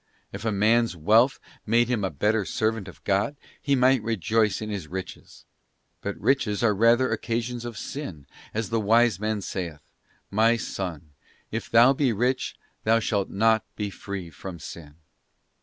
If a man's wealth made him a better servant of God, he might rejoice in his riches; but riches are rather occasions of sin, as the Wise Man saith: 'Myson... if thou be rich, thou shalt not be free from sin.